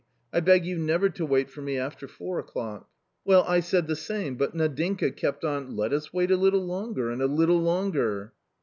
I beg you never to wait for me after four o'clock." " Well, I said the same, but Nadinka kept on ' let us wait a little longer, and a little longer